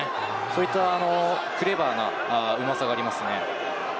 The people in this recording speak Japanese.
そういったクレバーなうまさがあります。